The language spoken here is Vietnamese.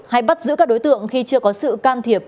hay bắt giữ các đối tượng khi chưa có sự can thiệp